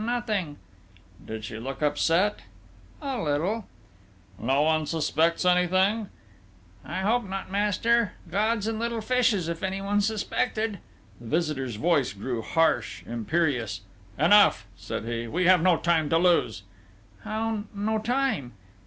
"Nothing." "Did she look upset?" "A little." "No one suspects anything?" "I hope not, master!... Gods and little fishes, if anyone suspected!" The visitor's voice grew harsh, imperious. "Enough," said he. "We have no time to lose!" "How? No time...."